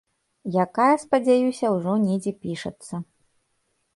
Якая, спадзяюся, ўжо недзе пішацца.